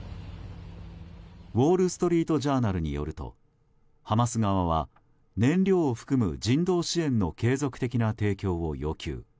ウォール・ストリート・ジャーナルによるとハマス側は燃料を含む人道支援の継続的な提供を要求。